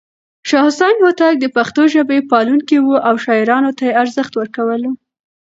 شاه حسين هوتک د پښتو ژبې پالونکی و او شاعرانو ته يې ارزښت ورکولو.